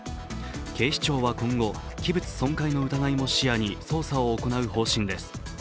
警視庁は今後、器物損壊の疑いも視野に捜査を行う方針です。